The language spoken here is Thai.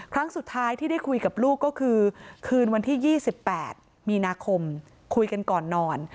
ครั้งสุดท้ายที่ได้คุยกับลูกก็คือคืนวันที่๒๘มีนาคมคุยกันก่อนนอน